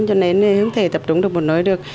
cho nên không thể tập trung được một nơi được